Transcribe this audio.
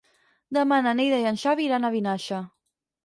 Demà na Neida i en Xavi iran a Vinaixa.